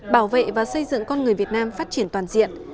bảo vệ và xây dựng con người việt nam phát triển toàn diện